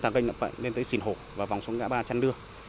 chúng ta gây nhập bệnh lên tới sìn hồ và vòng xuống ngã ba trần đưa